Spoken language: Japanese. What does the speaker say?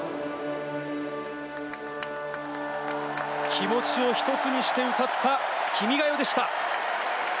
気持ちを１つにして歌った『君が代』でした。